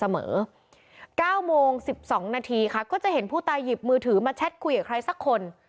๙โมง๑๒นาทีค่ะก็จะเห็นผู้ตายหยิบมือถือมาแชทคุยกับใครสักคน